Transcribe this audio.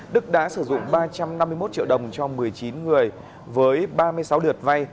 đức đã sử dụng ba trăm năm mươi một triệu đồng cho một mươi chín người với ba mươi sáu lượt vay